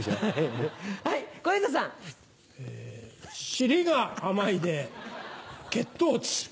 「尻」が「甘い」でケッ糖値。